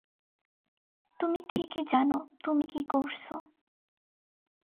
তুমি ঠিকই জানো তুমি কী করছো।